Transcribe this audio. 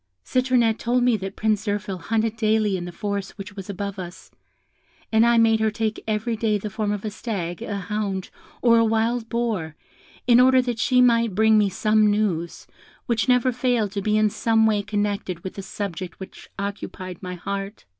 "Citronette told me that Prince Zirphil hunted daily in the forest which was above us; and I made her take every day the form of a stag, a hound, or a wild boar, in order that she might bring me some news, which never failed to be in some way connected with the subject which occupied my heart.